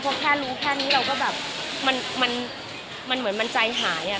เพราะแค่รู้แค่นี้เราก็แบบมันเหมือนมันใจหายอ่ะ